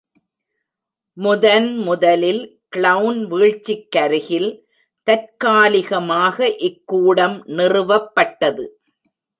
முதன் முதலில் கிளென் வீழ்ச்சிக்கருகில் தற்காலிகமாக இக்கூடம் நிறுவப்பட்டது.